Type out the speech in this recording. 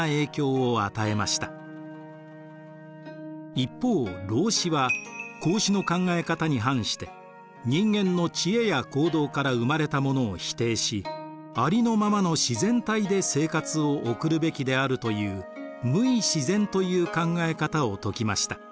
一方老子は孔子の考え方に反して人間の知恵や行動から生まれたものを否定しありのままの自然体で生活を送るべきであるという無為自然という考え方を説きました。